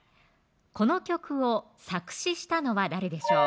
この曲を作詞したのは誰でしょう